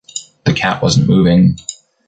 The cat wasn’t moving.